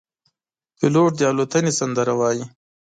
پیلوټ د الوتنې سندره وايي.